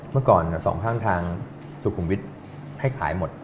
เมื่อก่อนสองข้างทางสุขุมวิทย์ให้ขายหมด